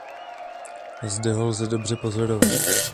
Zde ho lze dobře pozorovat.